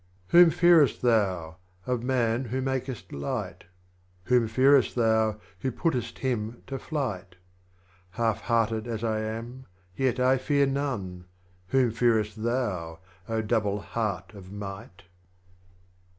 41. Whom fearest Thou, of Man who makest light ? Whom fearest Thou, Who puttest him to flight ? Half hearted as I am, yet I fear none ; Whom fearest Thou, Double Heart of might